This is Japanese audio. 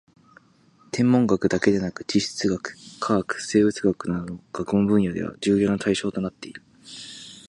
天文学だけでなく地質学・化学・生物学などの学問分野では重要な対象となっている